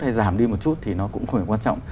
hay giảm đi một chút thì nó cũng không phải quan trọng